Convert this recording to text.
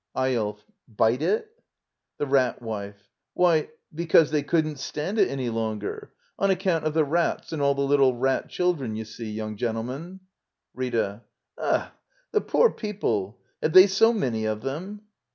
Eyolf. Bite it? The Rat Wife. Why, because they couldn't stand it any longer. On account of the rats and all the little rat children, you see, young gentleman. Rita. Ugh! The poor people! Have they so many of them?